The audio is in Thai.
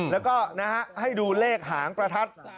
และก็นะครับให้ดูเลขหางประทัด